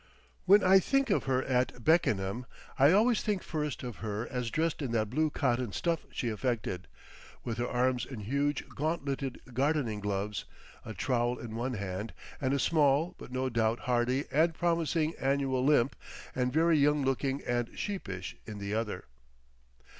When I think of her at Beckenham, I always think first of her as dressed in that blue cotton stuff she affected, with her arms in huge gauntleted gardening gloves, a trowel in one hand and a small but no doubt hardy and promising annual, limp and very young looking and sheepish, in the other.